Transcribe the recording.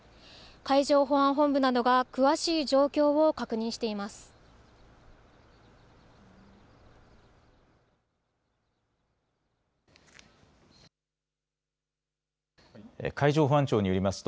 海上保安本部などが詳しい状況を確認しています。